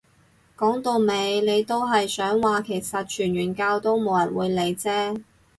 講到尾你都係想話其實傳完教都冇人會理啫